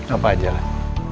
apa aja lah